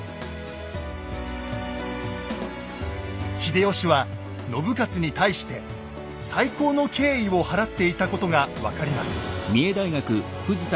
秀吉は信雄に対して最高の敬意をはらっていたことが分かります。